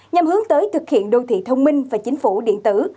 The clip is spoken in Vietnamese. nhằm hướng tới thực hiện đô thị thông minh và chính phủ điện tử